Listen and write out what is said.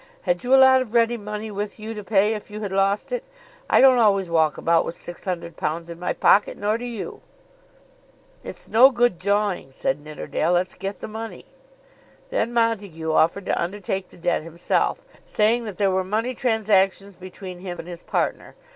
Had you a lot of ready money with you to pay if you had lost it? I don't always walk about with six hundred pounds in my pocket; nor do you!" "It's no good jawing," said Nidderdale; "let's get the money." Then Montague offered to undertake the debt himself, saying that there were money transactions between him and his partner.